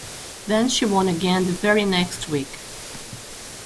Then she won again the very next week.